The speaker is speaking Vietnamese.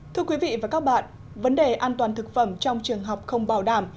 thưa quý vị và các bạn vấn đề an toàn thực phẩm trong trường học không bảo đảm